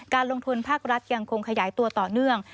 ลงทุนภาครัฐยังคงขยายตัวต่อเนื่อง